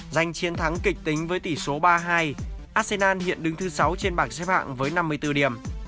giành chiến thắng kịch tính với tỷ số ba hai arsenal hiện đứng thứ sáu trên bảng xếp hạng với năm mươi bốn điểm